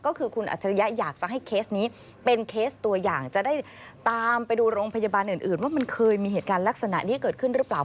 ก็คือคุณอัจฉริยะอยากจะให้เคสนี้เป็นเคสตัวอย่างจะได้ตามไปดูโรงพยาบาลอื่นว่ามันเคยมีเหตุการณ์ลักษณะนี้เกิดขึ้นหรือเปล่า